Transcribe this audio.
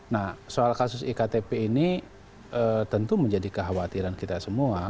nah soal kasus iktp ini tentu menjadi kekhawatiran kita semua